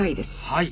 はい。